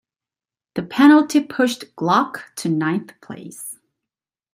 The penalty pushed Glock to ninth place.